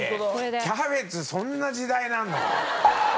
キャベツそんな時代なの？